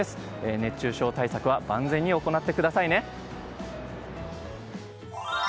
熱中症対策は万全に行ってくださいね。